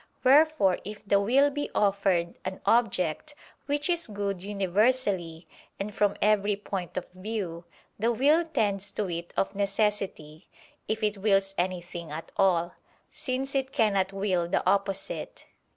Wherefore if the will be offered an object which is good universally and from every point of view, the will tends to it of necessity, if it wills anything at all; since it cannot will the opposite.